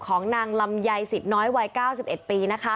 ของนางลำไยสิทธิน้อยวัย๙๑ปี